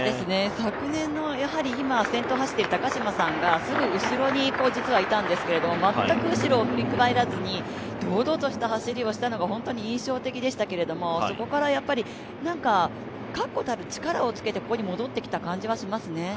昨年の今先頭走っている高島さんがすぐ後ろに実はいたんですけども、全く後ろを振り返らずに堂々とした走りをしたのが本当に印象的でしたけどもそこから確固たる力をつけてここに戻ってきた感じはしますね。